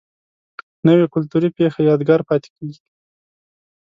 نوې کلتوري پیښه یادګار پاتې کېږي